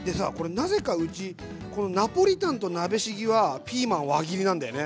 なぜかうちナポリタンと鍋しぎはピーマン輪切りなんだよね。